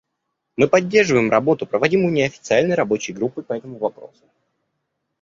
Мы поддерживаем работу, проводимую Неофициальной рабочей группой по этому вопросу.